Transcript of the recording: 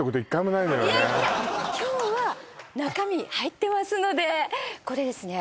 いやいや今日は中身入ってますのでこれですね